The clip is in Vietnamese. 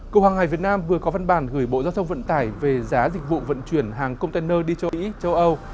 cục hàng hải việt nam vừa có văn bản gửi bộ giao thông vận tải về giá dịch vụ vận chuyển hàng container đi châu mỹ châu âu